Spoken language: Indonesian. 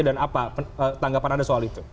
dan apa tanggapan anda soal itu